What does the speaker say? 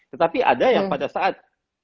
tetapi ada yang pada saat